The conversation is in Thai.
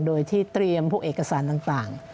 โดยที่เตรียมพวกเอกสารต่าง